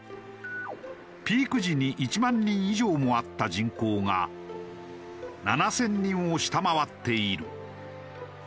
ピーク時に１万人以上もあった人口が７０００人を下回っている。